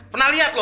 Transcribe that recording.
pernah lihat lo